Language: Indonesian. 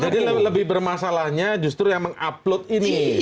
lebih bermasalahnya justru yang mengupload ini